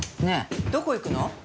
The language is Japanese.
ねえどこ行くの？